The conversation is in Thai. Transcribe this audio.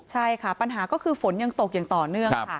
ใช่ค่ะปัญหาก็คือฝนยังตกอย่างต่อเนื่องค่ะ